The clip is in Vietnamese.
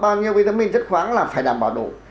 bao nhiêu vitamin chất khoáng là phải đảm bảo đủ